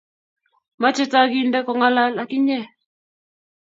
Mochei tokinde kong'al ak inye.